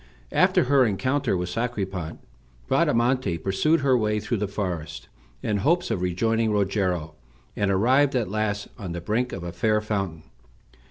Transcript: After her encounter with Sacripant Bradamante pursued her way through the forest, in hopes of rejoining Rogero, and arrived at last on the brink of a fair fountain.